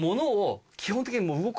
基本的に。